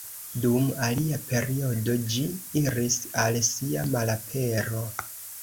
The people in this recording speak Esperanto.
Dum alia periodo ĝi iris al sia malapero.